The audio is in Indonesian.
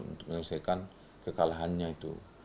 untuk menyelesaikan kekalahannya itu